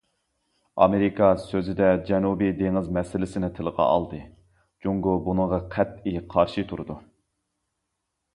ئامېرىكا سۆزىدە جەنۇبىي دېڭىز مەسىلىسىنى تىلغا ئالدى، جۇڭگو بۇنىڭغا قەتئىي قارشى تۇرىدۇ.